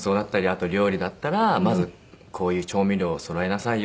あと料理だったらまずこういう調味料をそろえなさいよだったり。